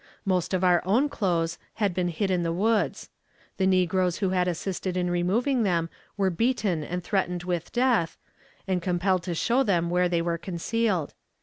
Most of our own clothes had been hid in the woods. The negroes who had assisted in removing them were beaten and threatened with death, and compelled to show them where they were concealed.